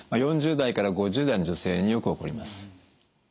４０代から５０代の女性によく起こります。